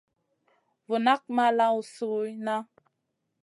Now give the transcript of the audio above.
Vu nak ma lawn sui nʼa.